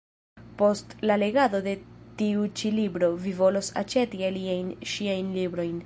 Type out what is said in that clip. Post la legado de tiu ĉi libro, vi volos aĉeti aliajn ŝiajn librojn.